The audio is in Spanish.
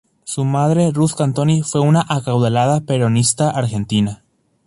Su madre Ruth Cantoni fue una acaudalada peronista argentina.